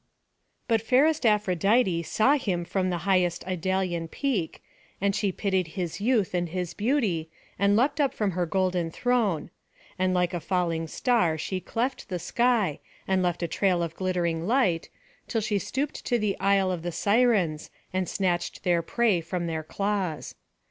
But fairest Aphrodite saw him from the highest Idalian peak, and she pitied his youth and his beauty, and leapt up from her golden throne; and like a falling star she cleft the sky, and left a trail of glittering light, till she stooped to the Isle of the Sirens, and snatched their prey from their claws.